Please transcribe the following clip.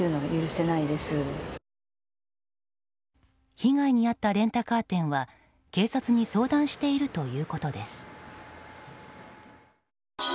被害に遭ったレンタカー店は警察に相談しているということです。